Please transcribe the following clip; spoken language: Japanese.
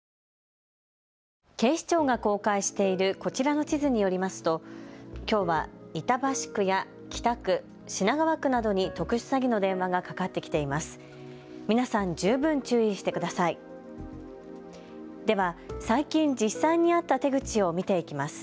警視庁が公開しているこちらの地図によりますときょうは板橋区や北区、品川区などに特殊詐欺の電話がかかってきています。